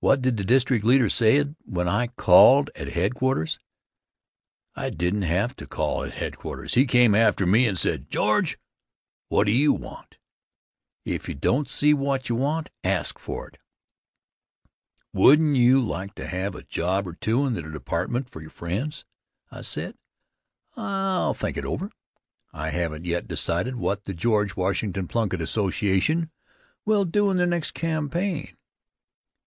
What did the district leader say then when I called at headquarters? I didn't have to call at headquarters. He came after me and said: "George, what do you want? If you don't see what you want, ask for it. Wouldn't you like to have a job or two in the departments for your friends?" I said: "I'll think it over; I haven't yet decided what the George Washington Plunkitt Association will do in the next campaign."